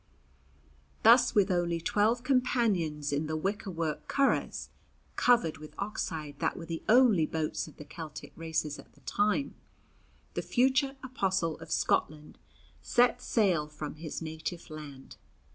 Thus, with only twelve companions, in the wicker work "curraghs" covered with oxhide that were the only boats of the Celtic races at the time, the future apostle of Scotland set sail from his native land.